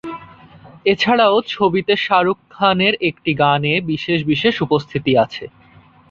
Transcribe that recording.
এছাড়াও ছবিতে শাহরুখ খান এর একটি গানে বিশেষ বিশেষ উপস্থিতি আছে।